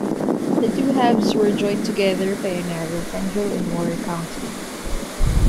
The two halves were joined together by a narrow tendril in Waller County.